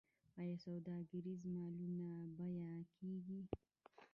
آیا سوداګریز مالونه بیمه کیږي؟